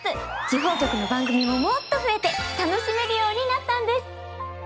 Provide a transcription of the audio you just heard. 地方局の番組ももっと増えて楽しめるようになったんです。